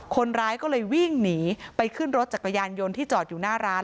คนร้ายก็เลยวิ่งหนีไปขึ้นรถจักรยานยนต์ที่จอดอยู่หน้าร้าน